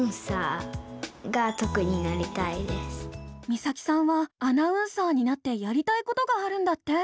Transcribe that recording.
実咲さんはアナウンサーになってやりたいことがあるんだって。